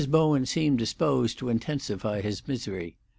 Bowen seemed disposed to intensify his misery.